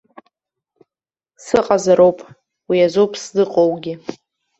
Сыҟазароуп, уи азоуп сзыҟоугьы.